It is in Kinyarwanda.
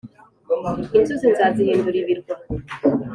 inzuzi nzazihindura ibirwa,